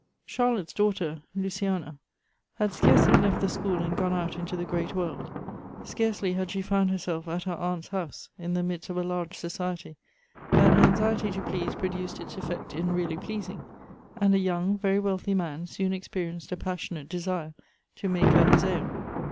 Charlotte's daughter, Luciana, had scarcely left the school and gone out into the great world ; scarcely had she found herself at her aunt's house in the midst of a large society, than her anxiety to please produced its effect in really pleasing ; and a young, very wealthy man, soon experienced a passionate desire to make her his own.